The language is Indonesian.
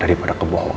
dari pada kebohongan